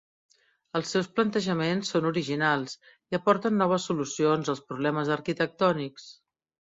Els seus plantejaments són originals i aporten noves solucions als problemes arquitectònics.